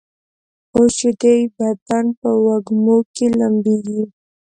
اوس چي دي بدن په وږمو کي لمبیږي